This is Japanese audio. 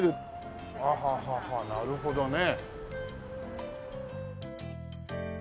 はあはあはあはあなるほどね。